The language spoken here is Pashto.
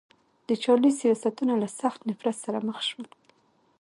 د چارلېز سیاستونه له سخت نفرت سره مخ شول.